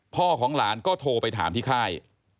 พ่อของหลานก็โทรไปถามที่ค่าย